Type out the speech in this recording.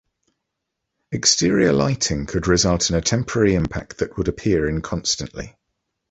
Exterior lighting could result in a temporary impact that would appear inconstantly.